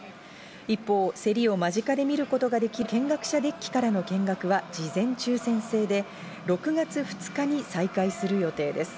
一方、競りを間近で見ることができる見学者デッキからの見学は事前抽選制で６月２日に再開する予定です。